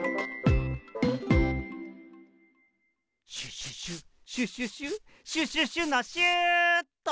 シュシュシュシュシュシュシュシュシュのシューっと！